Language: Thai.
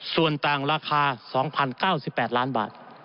ส่วนต่างราคา๒๐๙๘ล้านบาท